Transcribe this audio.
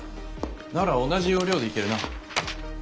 なら同じ要領でいけるな。